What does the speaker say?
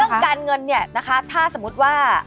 เรื่องการเงินเนี่ยนะคะถ้าสมมติว่า